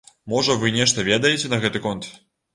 Можа вы нешта ведаеце на гэты конт?